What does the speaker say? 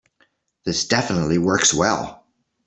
This definitely works well.